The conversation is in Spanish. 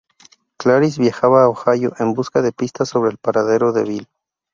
Clarice viaja a Ohio en busca de pistas sobre el paradero de Bill.